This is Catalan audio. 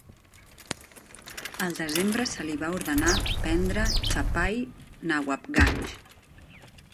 Al desembre se li va ordenar prendre Chapai Nawabganj.